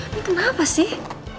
ini kenapa sih